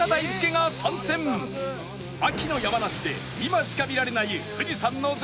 秋の山梨で今しか見られない富士山の絶景